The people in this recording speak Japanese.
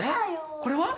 これは？